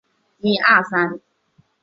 其中李双泽是影响胡德夫最深的朋友。